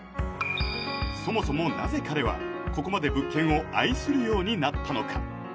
そもそもなぜ彼はここまで物件を愛するようになったのか？